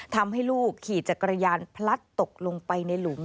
ทำให้ลูกขี่จักรยานพลัดตกลงไปในหลุม